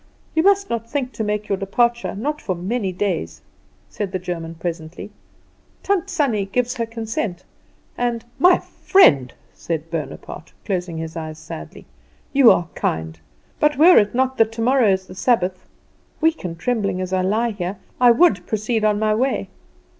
"You must not think to make your departure, not for many days," said the German presently. "Tant Sannie gives her consent, and " "My friend," said Bonaparte, closing his eyes sadly, "you are kind; but were it not that tomorrow is the Sabbath, weak and trembling as I lie here, I would proceed on my way.